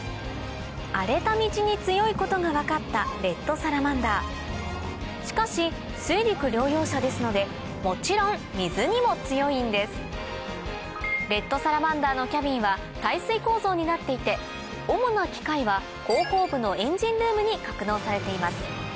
荒れた道に強いことが分かったレッドサラマンダーしかし水陸両用車ですのでもちろん水にも強いんですレッドサラマンダーのキャビンは耐水構造になっていて主な機械は後方部のエンジンルームに格納されています